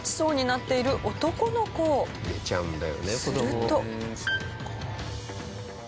すると。